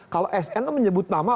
kalau sn itu menyebut nama